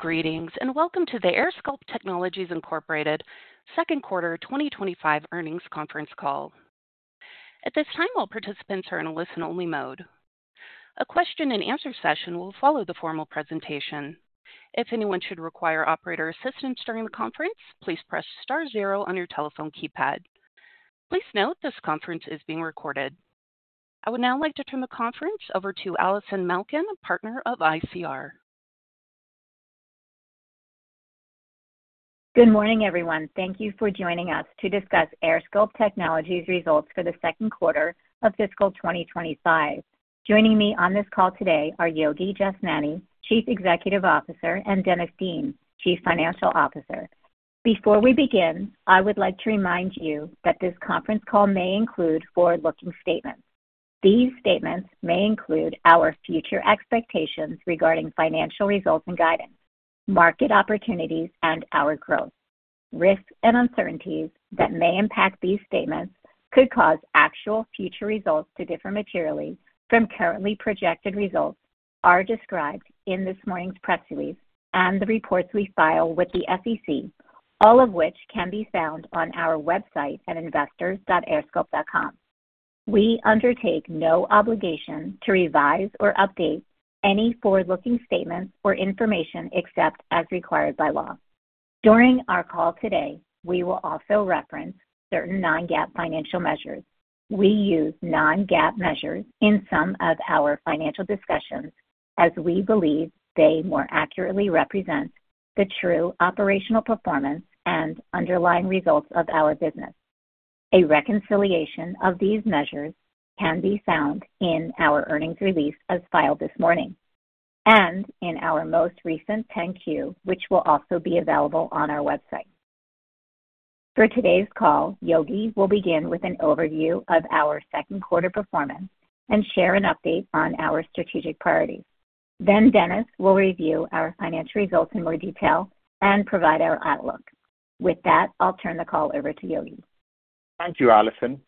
Greetings and welcome to the AirSculpt Technologies, Inc Second Quarter 2025 Earnings Conference Call. At this time, all participants are in a listen-only mode. A question and answer session will follow the formal presentation. If anyone should require operator assistance during the conference, please press star zero on your telephone keypad. Please note this conference is being recorded. I would now like to turn the conference over to Allison Malkin, Partner of ICR. Good morning, everyone. Thank you for joining us to discuss AirSculpt Technologies' results for the second quarter of fiscal 2025. Joining me on this call today are Yogi Jashnani, Chief Executive Officer, and Dennis Dean, Chief Financial Officer. Before we begin, I would like to remind you that this conference call may include forward-looking statements. These statements may include our future expectations regarding financial results and guidance, market opportunities, and our growth. Risks and uncertainties that may impact these statements could cause actual future results to differ materially from currently projected results and are described in this morning's press release and the reports we file with the SEC, all of which can be found on our website at investors.airsculpt.com. We undertake no obligation to revise or update any forward-looking statements or information except as required by law. During our call today, we will also reference certain non-GAAP financial measures. We use non-GAAP measures in some of our financial discussions as we believe they more accurately represent the true operational performance and underlying results of our business. A reconciliation of these measures can be found in our earnings release as filed this morning and in our most recent 10-Q, which will also be available on our website. For today's call, Yogi will begin with an overview of our second quarter performance and share an update on our strategic priorities. Dennis will review our financial results in more detail and provide our outlook. With that, I'll turn the call over to Yogi. Thank you, Allison.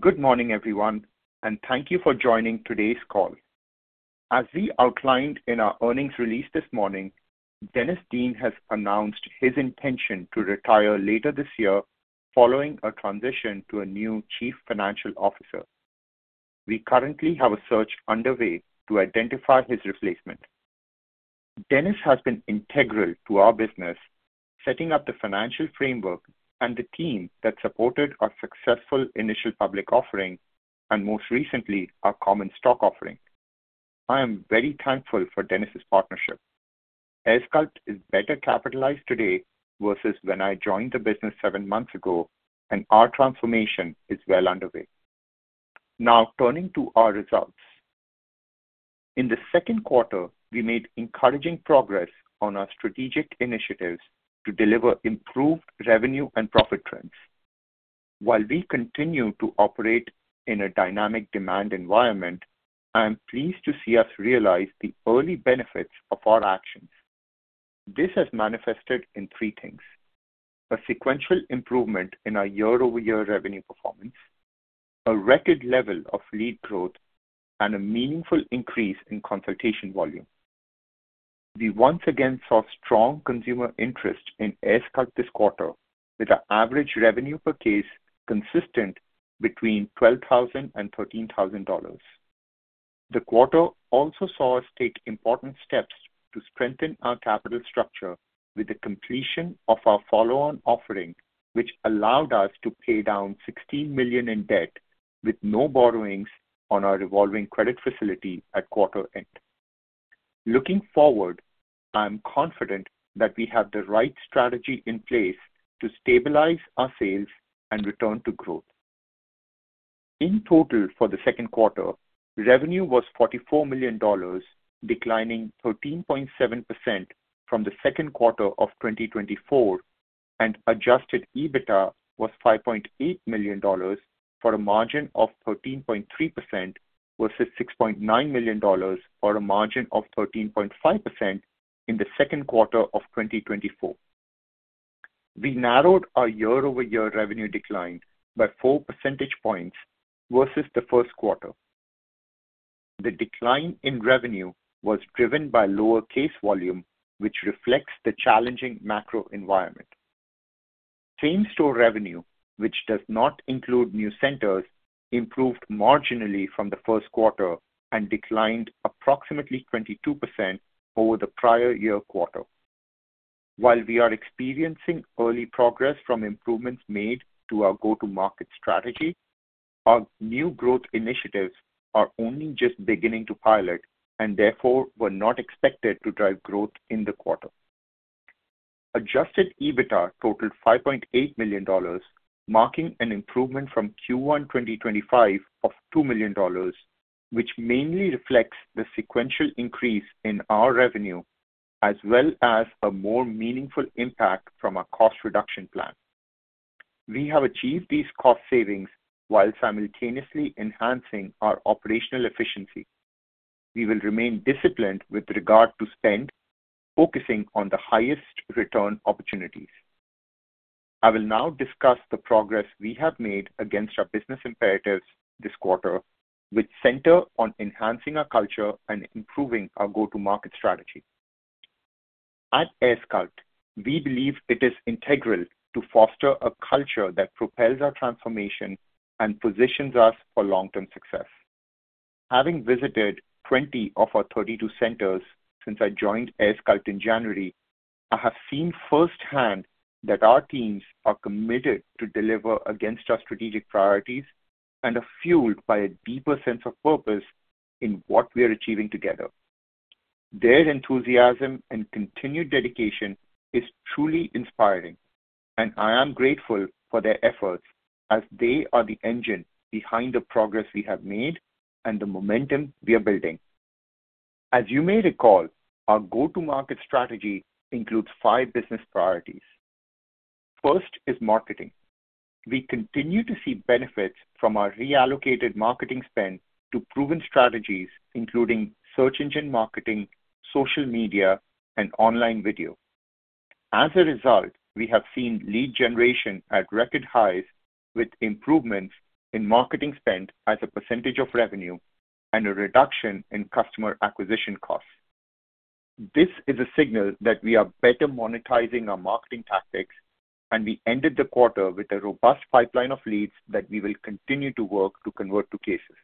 Good morning, everyone, and thank you for joining today's call. As we outlined in our earnings release this morning, Dennis Dean has announced his intention to retire later this year following a transition to a new Chief Financial Officer. We currently have a search underway to identify his replacement. Dennis has been integral to our business, setting up the financial framework and the team that supported our successful initial public offering and most recently our common stock offering. I am very thankful for Dennis' partnership. AirSculpt is better capitalized today versus when I joined the business seven months ago, and our transformation is well underway. Now, turning to our results. In the second quarter, we made encouraging progress on our strategic initiatives to deliver improved revenue and profit trends. While we continue to operate in a dynamic demand environment, I am pleased to see us realize the early benefits of our actions. This has manifested in three things: a sequential improvement in our year-over-year revenue performance, a record level of lead growth, and a meaningful increase in consultation volume. We once again saw strong consumer interest in AirSculpt this quarter, with an average revenue per case consistent between $12,000 and $13,000. The quarter also saw us take important steps to strengthen our capital structure with the completion of our follow-on offering, which allowed us to pay down $16 million in debt with no borrowings on our revolving credit facility at quarter end. Looking forward, I am confident that we have the right strategy in place to stabilize our sales and return to growth. In total, for the second quarter, revenue was $44 million, declining 13.7% from the second quarter of 2024, and Adjusted EBITDA was $5.8 million for a margin of 13.3% versus $6.9 million for a margin of 13.5% in the second quarter of 2024. We narrowed our year-over-year revenue decline by four percentage points versus the first quarter. The decline in revenue was driven by lower case volume, which reflects the challenging macroeconomic environment. Chain store revenue, which does not include new centers, improved marginally from the first quarter and declined approximately 22% over the prior year quarter. While we are experiencing early progress from improvements made to our go-to-market strategy, our new growth initiatives are only just beginning to pilot and therefore were not expected to drive growth in the quarter. Adjusted EBITDA totaled $5.8 million, marking an improvement from Q1 2025 of $2 million, which mainly reflects the sequential increase in our revenue as well as a more meaningful impact from our cost reduction plan. We have achieved these cost savings while simultaneously enhancing our operational efficiency. We will remain disciplined with regard to spend, focusing on the highest return opportunities. I will now discuss the progress we have made against our business imperatives this quarter, which center on enhancing our culture and improving our go-to-market strategy. At AirSculpt, we believe it is integral to foster a culture that propels our transformation and positions us for long-term success. Having visited 20 of our 32 centers since I joined AirSculpt in January, I have seen firsthand that our teams are committed to deliver against our strategic priorities and are fueled by a deeper sense of purpose in what we are achieving together. Their enthusiasm and continued dedication is truly inspiring, and I am grateful for their efforts as they are the engine behind the progress we have made and the momentum we are building. As you may recall, our go-to-market strategy includes five business priorities. First is marketing. We continue to see benefits from our reallocated marketing spend to proven strategies, including search engine marketing, social media, and online video. As a result, we have seen lead generation at record highs, with improvements in marketing spend as a percentage of revenue and a reduction in customer acquisition costs. This is a signal that we are better monetizing our marketing tactics, and we ended the quarter with a robust pipeline of leads that we will continue to work to convert to cases.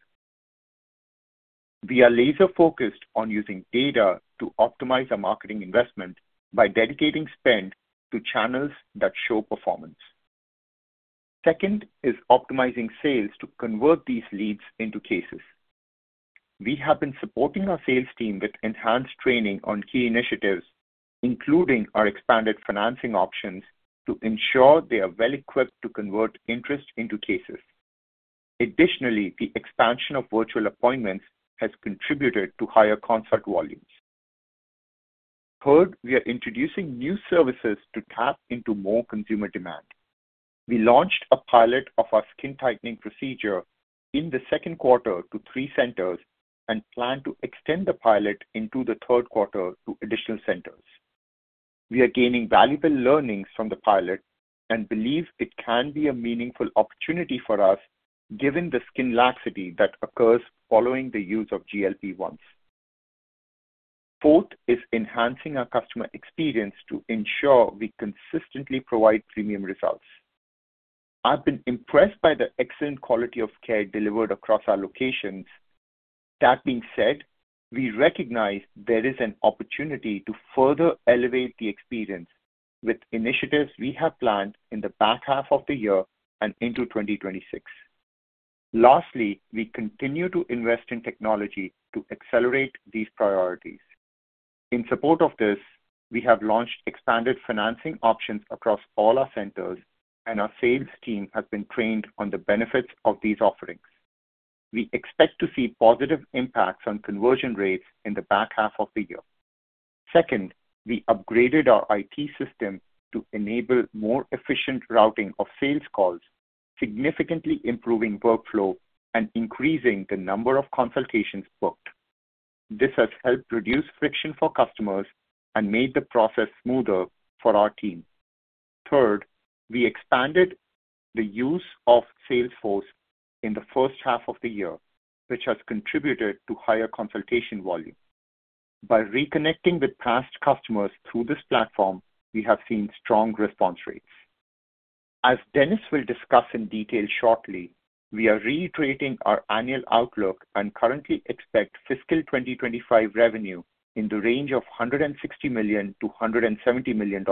We are laser-focused on using data to optimize our marketing investment by dedicating spend to channels that show performance. Second is optimizing sales to convert these leads into cases. We have been supporting our sales team with enhanced training on key initiatives, including our expanded financing options to ensure they are well-equipped to convert interest into cases. Additionally, the expansion of virtual appointments has contributed to higher consult volumes. Third, we are introducing new services to tap into more consumer demand. We launched a pilot of our skin tightening procedure in the second quarter to three centers and plan to extend the pilot into the third quarter to additional centers. We are gaining valuable learnings from the pilot and believe it can be a meaningful opportunity for us, given the skin laxity that occurs following the use of GLP-1s. Fourth is enhancing our customer experience to ensure we consistently provide premium results. I've been impressed by the excellent quality of care delivered across our locations. That being said, we recognize there is an opportunity to further elevate the experience with initiatives we have planned in the back half of the year and into 2026. Lastly, we continue to invest in technology to accelerate these priorities. In support of this, we have launched expanded financing options across all our centers, and our sales team has been trained on the benefits of these offerings. We expect to see positive impacts on conversion rates in the back half of the year. Second, we upgraded our IT system to enable more efficient routing of sales calls, significantly improving workflow and increasing the number of consultations booked. This has helped reduce friction for customers and made the process smoother for our team. Third, we expanded the use of Salesforce in the first half of the year, which has contributed to higher consultation volume. By reconnecting with past customers through this platform, we have seen strong response rates. As Dennis will discuss in detail shortly, we are reiterating our annual outlook and currently expect fiscal 2025 revenue in the range of $160 million-$170 million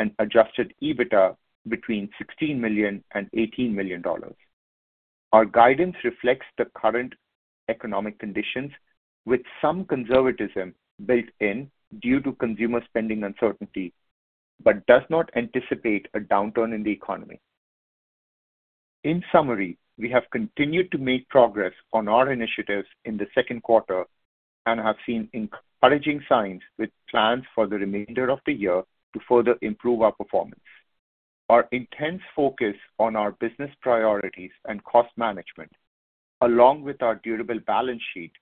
and Adjusted EBITDA between $16 million and $18 million. Our guidance reflects the current economic conditions with some conservatism built in due to consumer spending uncertainty, but does not anticipate a downturn in the economy. In summary, we have continued to make progress on our initiatives in the second quarter and have seen encouraging signs with plans for the remainder of the year to further improve our performance. Our intense focus on our business priorities and cost management, along with our durable balance sheet,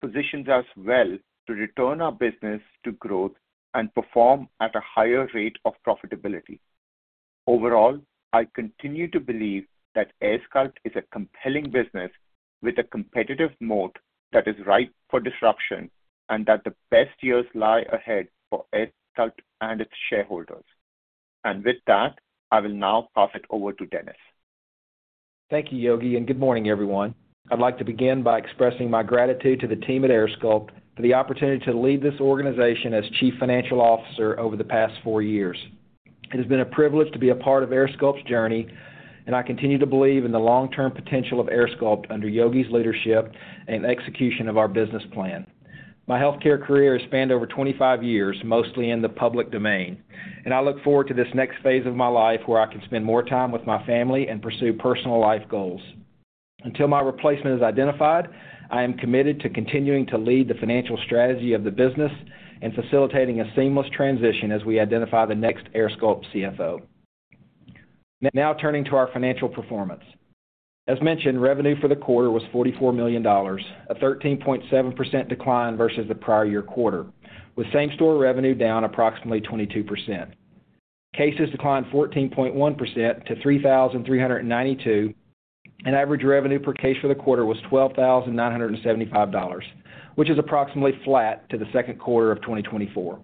positions us well to return our business to growth and perform at a higher rate of profitability. Overall, I continue to believe that AirSculpt is a compelling business with a competitive moat that is ripe for disruption and that the best years lie ahead for AirSculpt and its shareholders. I will now pass it over to Dennis. Thank you, Yogi, and good morning, everyone. I'd like to begin by expressing my gratitude to the team at AirSculpt for the opportunity to lead this organization as Chief Financial Officer over the past four years. It has been a privilege to be a part of AirSculpt's journey, and I continue to believe in the long-term potential of AirSculpt under Yogi's leadership and execution of our business plan. My healthcare career has spanned over 25 years, mostly in the public domain, and I look forward to this next phase of my life where I can spend more time with my family and pursue personal life goals. Until my replacement is identified, I am committed to continuing to lead the financial strategy of the business and facilitating a seamless transition as we identify the next AirSculpt CFO. Now turning to our financial performance. As mentioned, revenue for the quarter was $44 million, a 13.7% decline versus the prior year quarter, with same-store revenue down approximately 22%. Cases declined 14.1% to 3,392, and average revenue per case for the quarter was $12,975, which is approximately flat to the second quarter of 2024.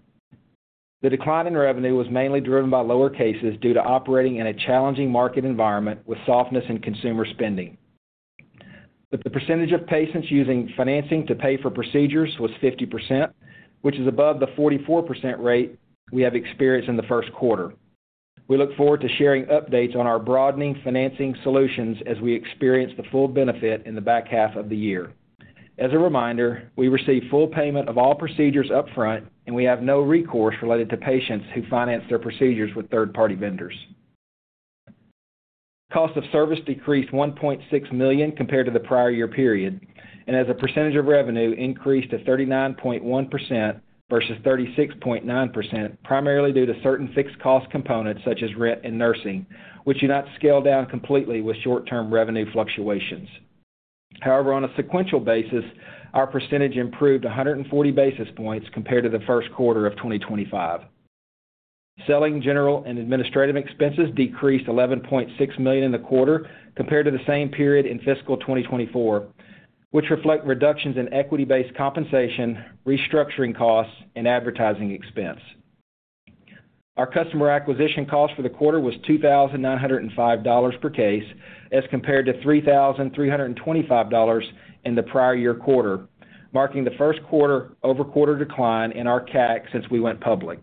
The decline in revenue was mainly driven by lower cases due to operating in a challenging market environment with softness in consumer spending. The percentage of patients using financing to pay for procedures was 50%, which is above the 44% rate we have experienced in the first quarter. We look forward to sharing updates on our broadening financing solutions as we experience the full benefit in the back half of the year. As a reminder, we receive full payment of all procedures upfront, and we have no recourse related to patients who finance their procedures with third-party vendors. Cost of service decreased $1.6 million compared to the prior year period, and as a percentage of revenue increased to 39.1% versus 36.9%, primarily due to certain fixed cost components such as rent and nursing, which do not scale down completely with short-term revenue fluctuations. However, on a sequential basis, our percentage improved 140 basis points compared to the first quarter of 2025. Selling, general, and administrative expenses decreased $11.6 million in the quarter compared to the same period in fiscal 2024, which reflect reductions in equity-based compensation, restructuring costs, and advertising expense. Our customer acquisition cost for the quarter was $2,905 per case as compared to $3,325 in the prior year quarter, marking the first quarter-over-quarter decline in our CAC since we went public.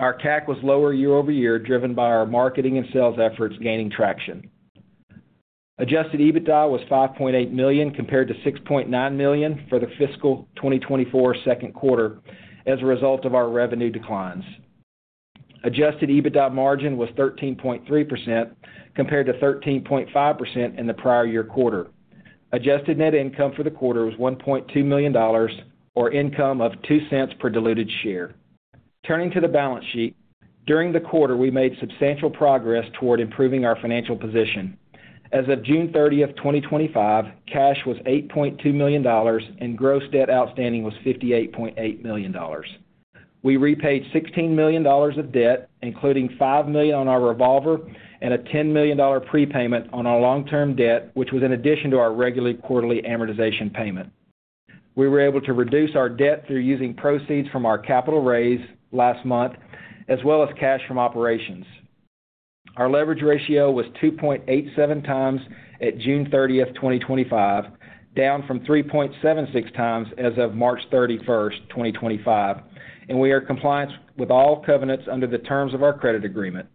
Our CAC was lower year-over-year, driven by our marketing and sales efforts gaining traction. Adjusted EBITDA was $5.8 million compared to $6.9 million for the fiscal 2024 second quarter as a result of our revenue declines. Adjusted EBITDA margin was 13.3% compared to 13.5% in the prior year quarter. Adjusted net income for the quarter was $1.2 million, or income of $0.02 per diluted share. Turning to the balance sheet, during the quarter, we made substantial progress toward improving our financial position. As of June 30, 2025, cash was $8.2 million and gross debt outstanding was $58.8 million. We repaid $16 million of debt, including $5 million on our revolver and a $10 million prepayment on our long-term debt, which was in addition to our regular quarterly amortization payment. We were able to reduce our debt through using proceeds from our capital raise last month, as well as cash from operations. Our leverage ratio was 2.87x at June 30, 2025, down from 3.76x as of March 31, 2025, and we are compliant with all covenants under the terms of our credit agreement.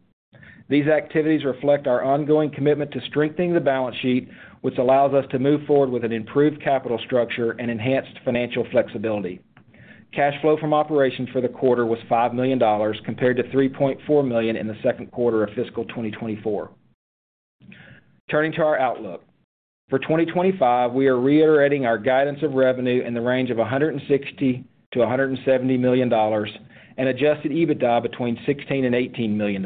These activities reflect our ongoing commitment to strengthening the balance sheet, which allows us to move forward with an improved capital structure and enhanced financial flexibility. Cash flow from operations for the quarter was $5 million compared to $3.4 million in the second quarter of fiscal 2024. Turning to our outlook. For 2025, we are reiterating our guidance of revenue in the range of $160-$170 million and Adjusted EBITDA between $16 million and $18 million.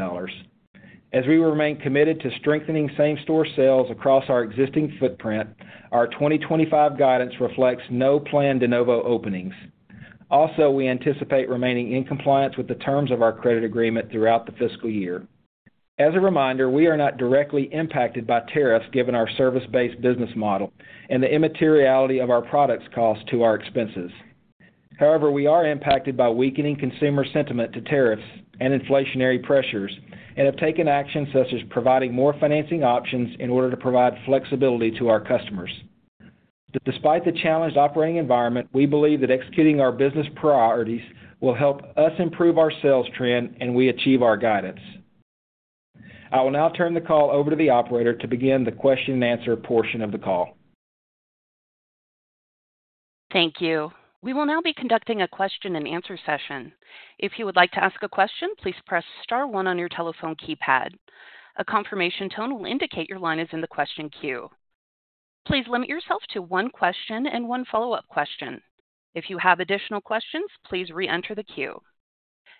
As we remain committed to strengthening same-store sales across our existing footprint, our 2025 guidance reflects no planned de novo openings. Also, we anticipate remaining in compliance with the terms of our credit agreement throughout the fiscal year. As a reminder, we are not directly impacted by tariffs given our service-based business model and the immateriality of our products cost to our expenses. However, we are impacted by weakening consumer sentiment to tariffs and inflationary pressures and have taken actions such as providing more financing options in order to provide flexibility to our customers. Despite the challenged operating environment, we believe that executing our business priorities will help us improve our sales trend and we achieve our guidance. I will now turn the call over to the operator to begin the question and answer portion of the call. Thank you. We will now be conducting a question and answer session. If you would like to ask a question, please press star one on your telephone keypad. A confirmation tone will indicate your line is in the question queue. Please limit yourself to one question and one follow-up question. If you have additional questions, please re-enter the queue.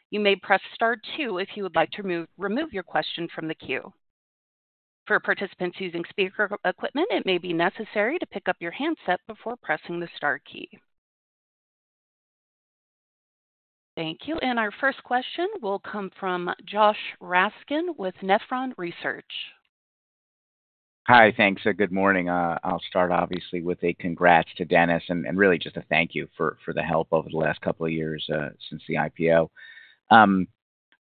You may press star two if you would like to remove your question from the queue. For participants using speaker equipment, it may be necessary to pick up your handset before pressing the star key. Thank you. Our first question will come from Josh Raskin with Nephron Research. Hi, thanks. Good morning. I'll start, obviously, with a congrats to Dennis and really just a thank you for the help over the last couple of years since the IPO.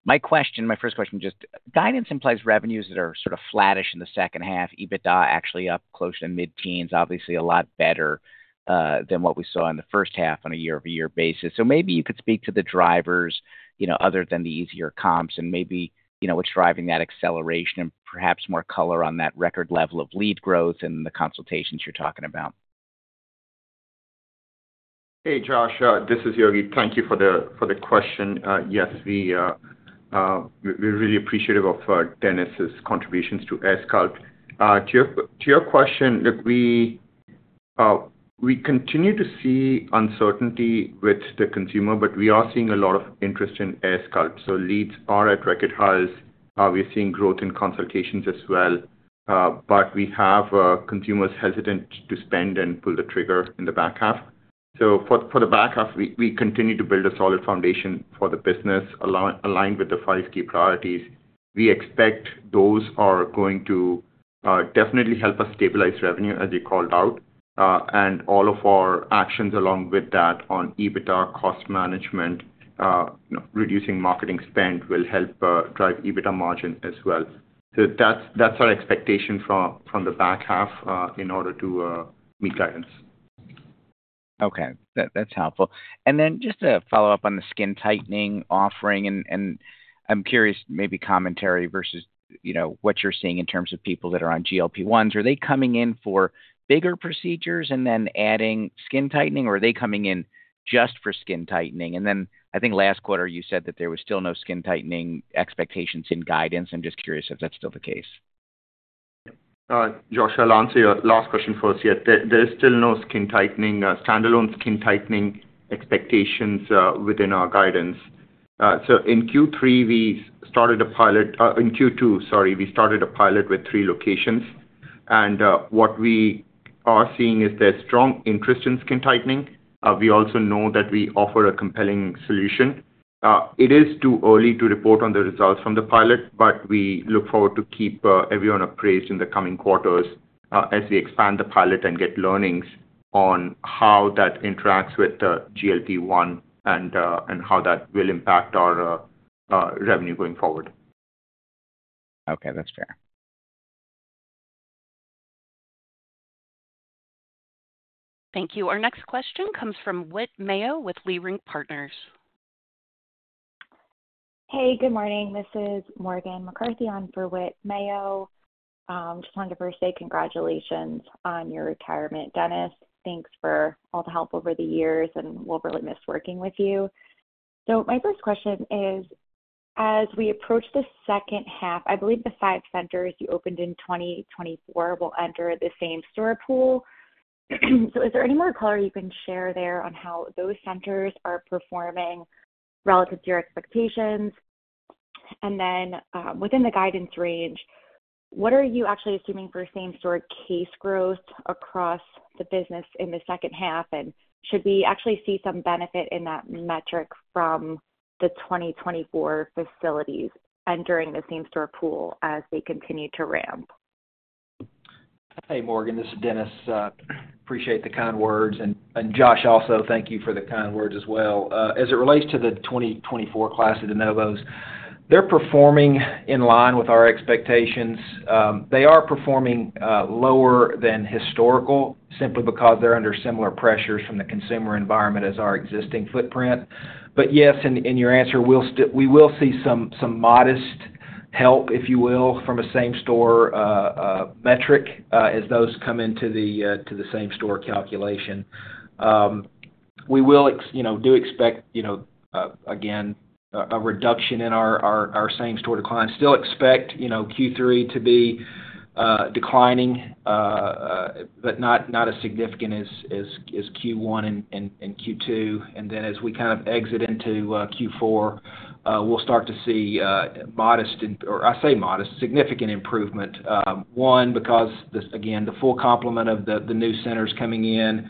My question, my first question, just guidance implies revenues that are sort of flattish in the second half, EBITDA actually up close to the mid-teens, obviously a lot better than what we saw in the first half on a year-over-year basis. Maybe you could speak to the drivers, you know, other than the easier comps and maybe, you know, what's driving that acceleration and perhaps more color on that record level of lead growth and the consultations you're talking about. Hey, Josh. This is Yogi. Thank you for the question. Yes, we are really appreciative of Dennis's contributions to AirSculpt. To your question, look, we continue to see uncertainty with the consumer, but we are seeing a lot of interest in AirSculpt. Leads are at record highs. We're seeing growth in consultations as well. We have consumers hesitant to spend and pull the trigger in the back half. For the back half, we continue to build a solid foundation for the business aligned with the five key priorities. We expect those are going to definitely help us stabilize revenue, as you called out. All of our actions along with that on EBITDA cost management, reducing marketing spend will help drive EBITDA margin as well. That's our expectation from the back half in order to meet guidance. Okay, that's helpful. Just to follow up on the skin tightening procedure, I'm curious, maybe commentary versus what you're seeing in terms of people that are on GLP-1s. Are they coming in for bigger procedures and then adding skin tightening, or are they coming in just for skin tightening? I think last quarter you said that there was still no skin tightening expectations in guidance. I'm just curious if that's still the case. Josh, I'll answer your last question first. There is still no standalone skin tightening expectations within our guidance. In Q2, we started a pilot with three locations. What we are seeing is there's strong interest in skin tightening. We also know that we offer a compelling solution. It is too early to report on the results from the pilot, but we look forward to keeping everyone appraised in the coming quarters as we expand the pilot and get learnings on how that interacts with the GLP-1 and how that will impact our revenue going forward. Okay, that's fair. Thank you. Our next question comes from Whit Mayo with Leerink Partners. Hey, good morning. This is Morgan McCarthy on for Whit Mayo. Just wanted to first say congratulations on your retirement, Dennis. Thanks for all the help over the years, and we'll really miss working with you. My first question is, as we approach the second half, I believe the five centers you opened in 2024 will enter the same-store pool. Is there any more color you can share there on how those centers are performing relative to your expectations? Within the guidance range, what are you actually assuming for same-store case growth across the business in the second half? Should we actually see some benefit in that metric from the 2024 facilities entering the same-store pool as they continue to ramp? Hey, Morgan. This is Dennis. Appreciate the kind words. And Josh, also thank you for the kind words as well. As it relates to the 2024 class of de novos, they're performing in line with our expectations. They are performing lower than historical simply because they're under similar pressures from the consumer environment as our existing footprint. Yes, in your answer, we will see some modest help, if you will, from a same-store metric as those come into the same-store calculation. We do expect, again, a reduction in our same-store decline. Still expect Q3 to be declining, but not as significant as Q1 and Q2. As we kind of exit into Q4, we'll start to see modest, or I say modest, significant improvement. One, because again, the full complement of the new centers coming in.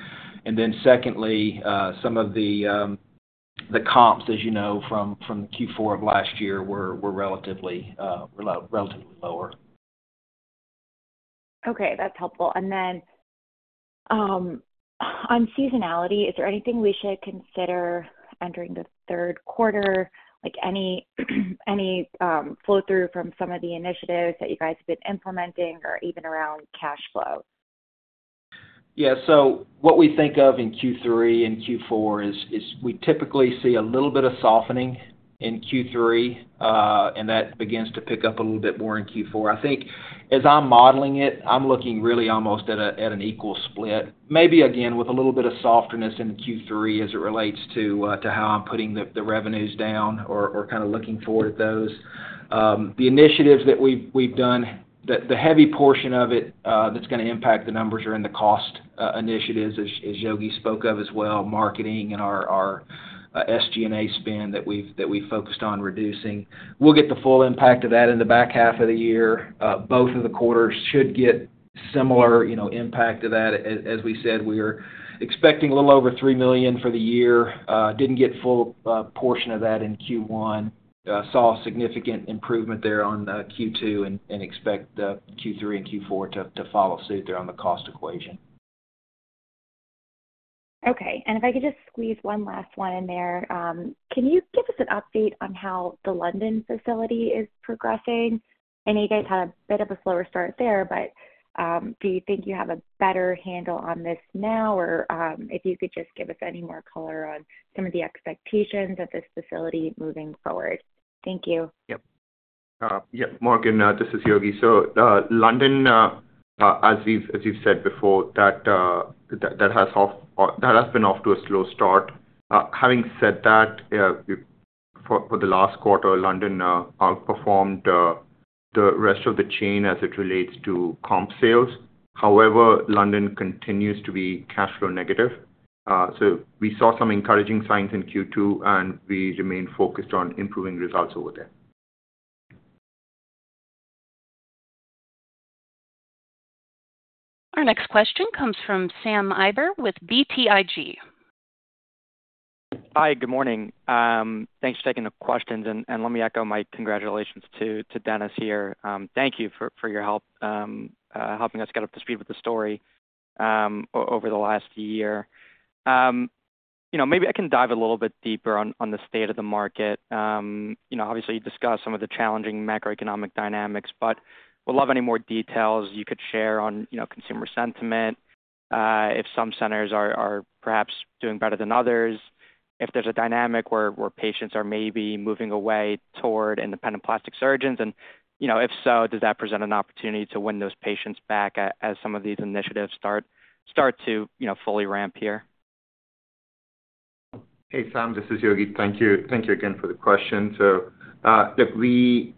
Secondly, some of the comps, as you know, from Q4 of last year were relatively lower. Okay, that's helpful. Is there anything we should consider entering the third quarter, like any flow-through from some of the initiatives that you guys have been implementing or even around cash flow? Yeah, so what we think of in Q3 and Q4 is we typically see a little bit of softening in Q3, and that begins to pick up a little bit more in Q4. I think as I'm modeling it, I'm looking really almost at an equal split, maybe again with a little bit of softening in Q3 as it relates to how I'm putting the revenues down or kind of looking forward at those. The initiatives that we've done, the heavy portion of it that's going to impact the numbers are in the cost initiatives, as Yogi spoke of as well, marketing and our SG&A spend that we've focused on reducing. We'll get the full impact of that in the back half of the year. Both of the quarters should get similar impact of that. As we said, we are expecting a little over $3 million for the year. Didn't get a full portion of that in Q1. Saw significant improvement there on Q2 and expect Q3 and Q4 to follow suit there on the cost equation. Okay, and if I could just squeeze one last one in there, can you give us an update on how the London facility is progressing? I know you guys had a bit of a slower start there, but do you think you have a better handle on this now, or if you could just give us any more color on some of the expectations of this facility moving forward? Thank you. Yeah, Morgan, this is Yogi. London, as we've said before, has been off to a slow start. Having said that, for the last quarter, London outperformed the rest of the chain as it relates to comp sales. However, London continues to be cash flow negative. We saw some encouraging signs in Q2, and we remain focused on improving results over there. Our next question comes from Sam Eiber with BTIG. Hi, good morning. Thanks for taking the questions, and let me echo my congratulations to Dennis here. Thank you for your help helping us get up to speed with the story over the last year. Maybe I can dive a little bit deeper on the state of the market. Obviously you discussed some of the challenging macroeconomic dynamics, but would love any more details you could share on consumer sentiment. If some centers are perhaps doing better than others, if there's a dynamic where patients are maybe moving away toward independent plastic surgeons, and if so, does that present an opportunity to win those patients back as some of these initiatives start to fully ramp here? Hey, Sam, this is Yogi. Thank you. Thank you again for the question. Through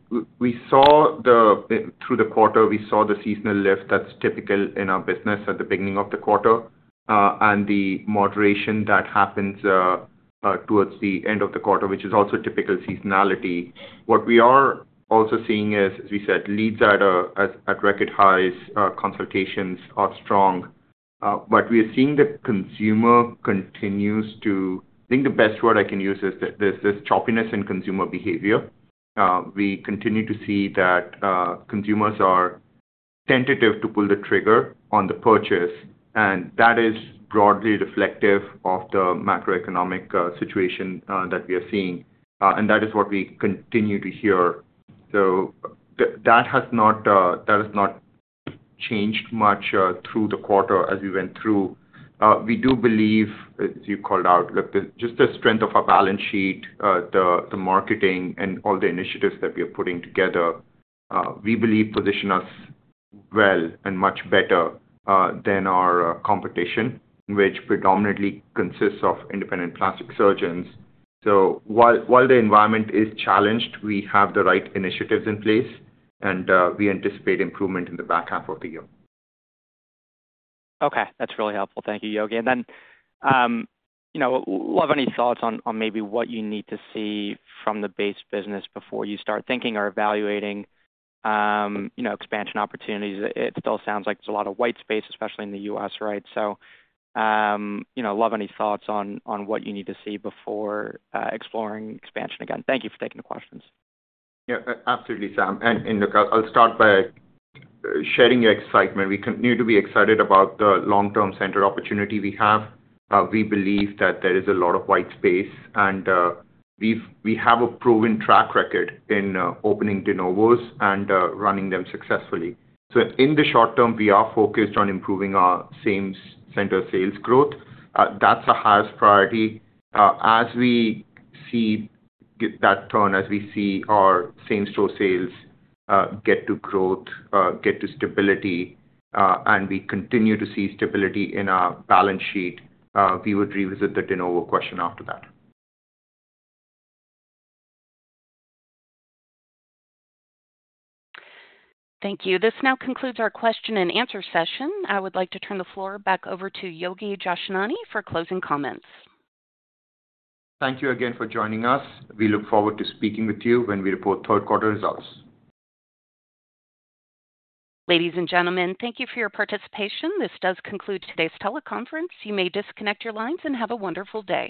the quarter, we saw the seasonal lift that's typical in our business at the beginning of the quarter and the moderation that happens towards the end of the quarter, which is also typical seasonality. What we are also seeing is, as we said, leads at record highs, consultations are strong, but we are seeing that consumer continues to, I think the best word I can use is that there's this choppiness in consumer behavior. We continue to see that consumers are tentative to pull the trigger on the purchase, and that is broadly reflective of the macroeconomic situation that we are seeing, and that is what we continue to hear. That has not changed much through the quarter as we went through. We do believe, as you called out, just the strength of our balance sheet, the marketing, and all the initiatives that we are putting together, we believe position us well and much better than our competition, which predominantly consists of independent plastic surgeons. While the environment is challenged, we have the right initiatives in place, and we anticipate improvement in the back half of the year. Okay, that's really helpful. Thank you, Yogi. Love any thoughts on maybe what you need to see from the base business before you start thinking or evaluating expansion opportunities. It still sounds like there's a lot of white space, especially in the U.S., right? Love any thoughts on what you need to see before exploring expansion again. Thank you for taking the questions. Yeah, absolutely, Sam. I'll start by sharing your excitement. We continue to be excited about the long-term center opportunity we have. We believe that there is a lot of white space, and we have a proven track record in opening de novos and running them successfully. In the short term, we are focused on improving our same center sales growth. That's our highest priority. As we see that turn, as we see our same-store sales get to growth, get to stability, and we continue to see stability in our balance sheet, we would revisit the de novo question after that. Thank you. This now concludes our question and answer session. I would like to turn the floor back over to Yogi Jashnani for closing comments. Thank you again for joining us. We look forward to speaking with you when we report third quarter results. Ladies and gentlemen, thank you for your participation. This does conclude today's teleconference. You may disconnect your lines and have a wonderful day.